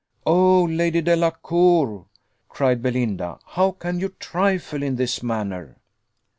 "Oh, Lady Delacour!" cried Belinda, "how can you trifle in this manner?"